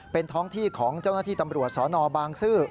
เป็นท้องที่ของเจ้าหน้าที่ตำรวจสนบางซื่อ